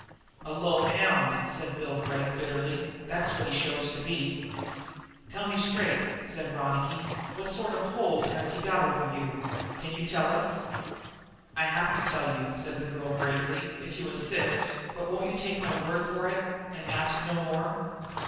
"A low hound," said Bill Gregg bitterly, "that's what he shows to be." "Tell me straight," said Ronicky, "what sort of a hold has he got over you? Can you tell us?" "I have to tell you," said the girl gravely, "if you insist, but won't you take my word for it and ask no more?"